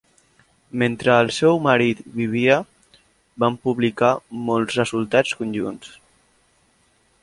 Mentre el seu marit vivia, van publicar molts resultats conjunts.